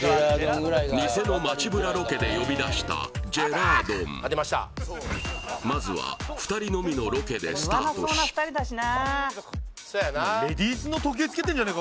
ニセの街ブラロケで呼び出したジェラードンまずは２人のみのロケでスタートしお前ええ？